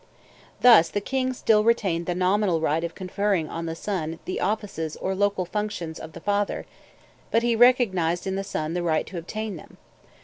Thus the king still retained the nominal right of conferring on the son the offices or local functions of the father, but he recognized in the son the right to obtain them.